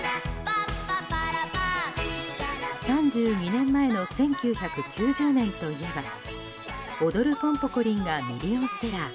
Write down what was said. ３２年前の１９９０年といえば「おどるポンポコリン」がミリオンセラー。